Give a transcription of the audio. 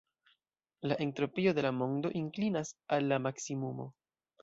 La entropio de la mondo inklinas al la maksimumo.